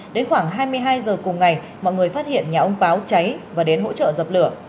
đến khoảng hai mươi hai h cùng ngày mọi người phát hiện nhà ông báo cháy và đến hỗ trợ dập lửa